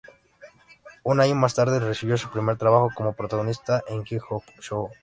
Un año más tarde recibió su primer trabajo como protagonista, en Jigoku Shōjo.